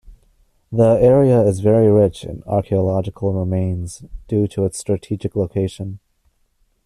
The area is very rich in archaeological remains due to its strategic location.